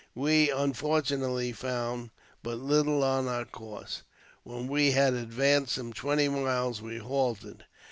We, unfortunately, found but little on our course. When we had advanced some twenty miles we halted.